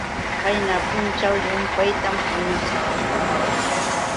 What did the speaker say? Qayna punćhaw llumpaytam puñusqa.